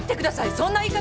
そんな言い方。